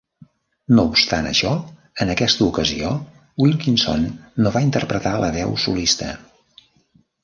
No obstant això, en aquesta ocasió, Wilkinson no va interpretar la veu solista.